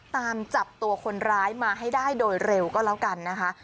ตามจับตัวคนร้ายมาให้ได้โดยเร็วก็แล้วกันนะคะ